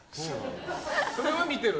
それは見てる？